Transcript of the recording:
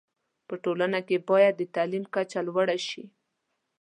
په ټولنه کي باید د تعلیم کچه لوړه شی